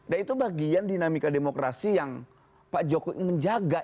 dan itu bagian dinamika demokrasi yang pak jokowi menjaga